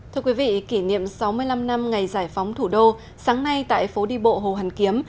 thưa quý vị kỷ niệm sáu mươi năm năm ngày giải phóng thủ đô sáng nay tại phố đi bộ hồ hàn kiếm